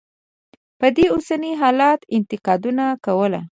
پر دې اوسني حالت انتقادونه کول.